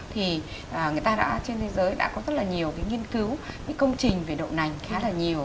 thì người ta đã trên thế giới đã có rất là nhiều cái nghiên cứu những công trình về đậu nành khá là nhiều